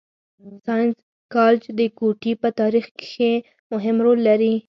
ساینس کالج د کوټي په تارېخ کښي مهم رول لري.